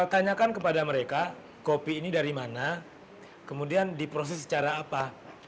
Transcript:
tanyakan kepada mereka kopi ini dari mana kemudian diproses secara apa